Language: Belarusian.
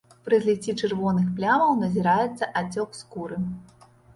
Пры зліцці чырвоных плямаў назіраецца ацёк скуры.